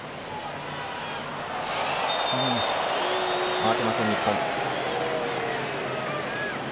慌てません、日本。